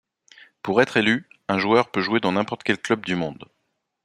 Pour être élu, un joueur peut jouer dans n'importe quel club du monde.